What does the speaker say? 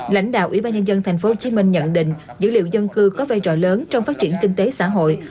lãnh đạo ủy ban nhân dân tp hcm nhận định dữ liệu dân cư có vai trò lớn trong phát triển kinh tế xã hội